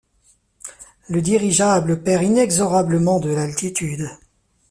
Le dirigeable perd inexorablement de l'altitude.